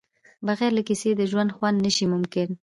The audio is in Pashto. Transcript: بغیر له کیسې د ژوند خوند نشي ممکن.